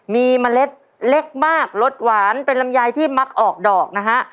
มีเมล็ดเล็กมากรสหวานเป็นลำไยที่มักออกดอกนะฮะ